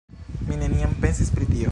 Mi neniam pensis pri tio.